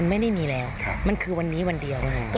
ทำพิธีเบิกเนจแบบนี้ค่ะ